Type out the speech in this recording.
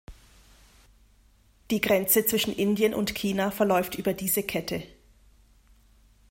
Die Grenze zwischen Indien und China verläuft über diese Kette.